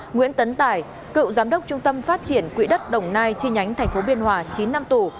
nguyễn tấn tài cựu giám đốc trung tâm phát triển quỹ đất đồng nai chi nhánh tp biên hòa chín năm tù